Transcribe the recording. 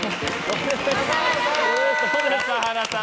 笠原さん